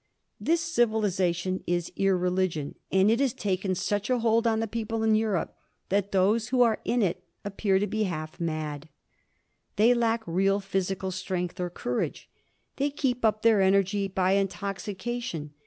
This civilization is irreligion, and it has taken such a hold on the people in Europe that those who are in it appear to be half mad. They lack real physical strength or courage. They keep up their energy by intoxication.